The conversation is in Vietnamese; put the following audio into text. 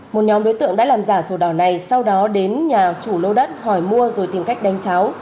một nhóm đối tượng đã làm giả sổ đỏ này sau đó đến nhà chủ lô đất hỏi mua rồi tìm cách đánh cháu